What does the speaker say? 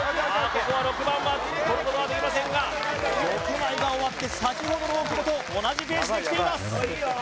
ここは６番はとることができませんが６枚が終わってさきほどの大久保と同じペースできています